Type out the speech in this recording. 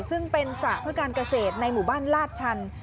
ซึ่งเป็นสระเพื่อการเกษตรในหมู่บ้านลาดชัน